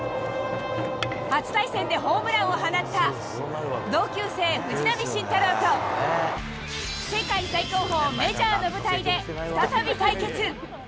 初対戦でホームランを放った同級生、藤浪晋太郎と、世界最高峰、メジャーの舞台で、再び対決。